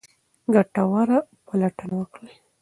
ګټوره پلټنه وکړئ.